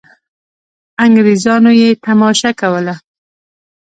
انګرېزانو یې تماشه کوله.